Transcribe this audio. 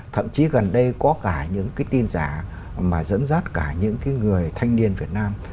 thậm chí gần đây có cả những cái tin giả mà dẫn dắt cả những cái người thanh niên việt nam